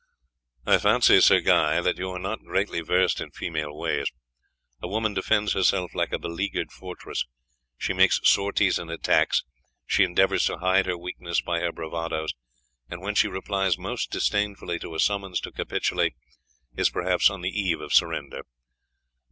"I fancy, Sir Guy, that you are not greatly versed in female ways. A woman defends herself like a beleaguered fortress. She makes sorties and attacks, she endeavours to hide her weakness by her bravados, and when she replies most disdainfully to a summons to capitulate, is perhaps on the eve of surrender.